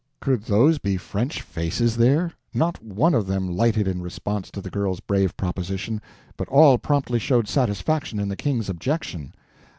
Could those be French faces there? Not one of them lighted in response to the girl's brave proposition, but all promptly showed satisfaction in the King's objection.